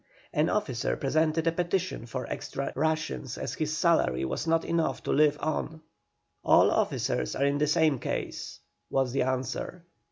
An officer presented a petition for extra rations, as his salary was not enough to live on. "All officers are in the same case," was the answer.